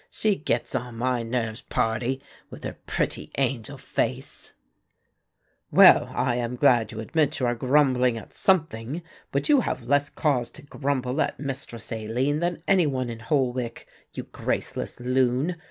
She gets on my nerves, pardy! with her pretty angel face." The earlier form of curtsey. "Well, I am glad you admit you are grumbling at something, but you have less cause to grumble at Mistress Aline than any one in Holwick, you graceless loon.